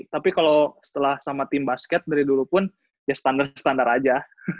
tapi kalau setelah sama tim basket dari dulu pun ya standar standar aja